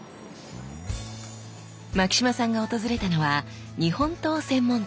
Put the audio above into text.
牧島さんが訪れたのは日本刀専門店。